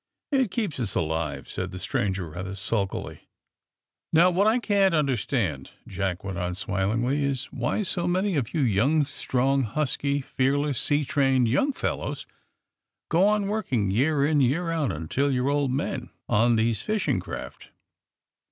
"It keeps us alive," said the stranger rather sulkily. "Now, what I can't understand/^ Jack went on, smilingly, "is why so many of you strong, husky, fearless, sea trained young fellows go on working, year in, year out, until you 're old men, on these fishing craft.